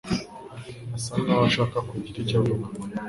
asa nkaho ashaka kugira icyo avuga.